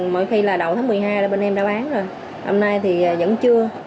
mỗi khi là đầu tháng một mươi hai là bên em đã bán rồi hôm nay thì vẫn chưa